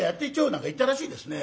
なんか言ったらしいですね。